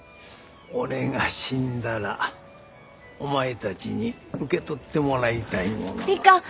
俺が死んだらお前たちに受け取ってもらいたいものが。